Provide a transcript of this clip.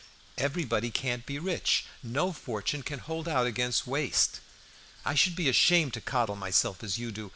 Everybody can't be rich! No fortune can hold out against waste! I should be ashamed to coddle myself as you do!